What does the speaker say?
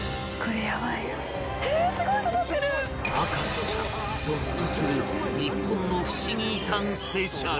『博士ちゃん』ゾッとする日本のふしぎ遺産スペシャル